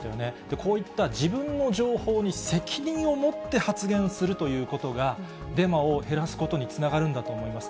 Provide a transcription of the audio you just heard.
こういった自分の情報に責任を持って発言するということが、デマを減らすことにつながるんだと思います。